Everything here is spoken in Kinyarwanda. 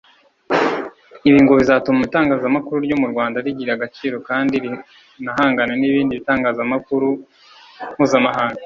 Ibi ngo bizatuma itangazamakuru ryo mu Rwanda rigira agaciro kandi rinahangane n’ibindi bitangazamakuru mpuzamahanga